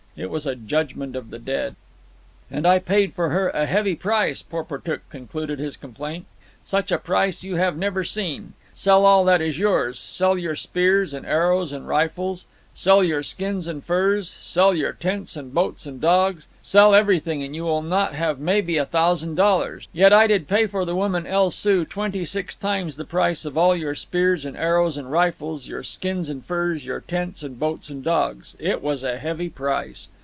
It was a judgment of the dead. "And I paid for her a heavy price," Porportuk concluded his complaint. "Such a price you have never seen. Sell all that is yours—sell your spears and arrows and rifles, sell your skins and furs, sell your tents and boats and dogs, sell everything, and you will not have maybe a thousand dollars. Yet did I pay for the woman, El Soo, twenty six times the price of all your spears and arrows and rifles, your skins and furs, your tents and boats and dogs. It was a heavy price."